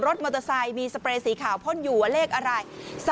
มอเตอร์ไซค์มีสเปรย์สีขาวพ่นอยู่ว่าเลขอะไร